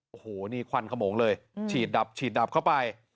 โอ้โหนี่ควันขมงเลยฉีดดับเข้าไป